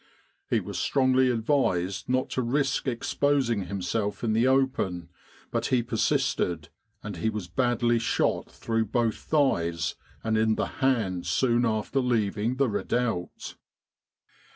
He was strongly advised not to risk exposing himself in the open, but he per sisted, and he was badly shot through both thighs and in the hand soon after leaving the redoubt.